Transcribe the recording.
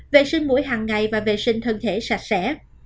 vệ sinh mũi hàng ngày và vệ sinh thân thể sạch sẽ